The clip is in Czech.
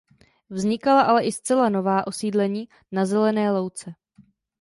Vznikala ale i zcela nová osídlení "na zelené louce".